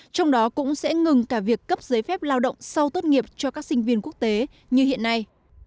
trong đó cũng sẽ ngừng cả việc cấp giấy phép lao động sau tốt nghiệp cho các sinh viên quốc tế như hiện nay